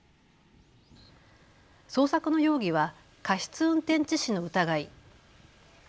捜索の容疑は過失運転致死の疑い。